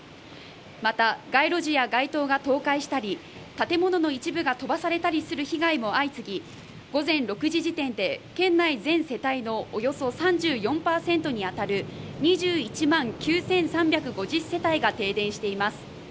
また、街路樹や街灯が倒壊したり、建物の一部が飛ばされる被害も相次ぎ午前６時時点で県内全世帯のおよそ３４％に当たる２１万９３５０世帯が停電しています。